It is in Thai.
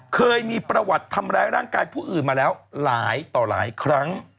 เคยมีประวัติทำร้ายร่างกายผู้อื่นมาแล้วหลายต่อหลายครั้ง